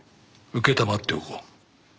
承っておこう。